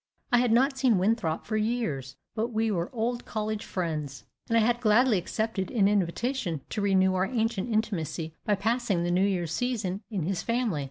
I had not seen Winthrop for years; but we were old college friends, and I had gladly accepted an invitation to renew our ancient intimacy by passing the New Year's season in his family.